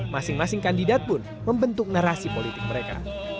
masing masing kandidat pun membentuk narasi politik mereka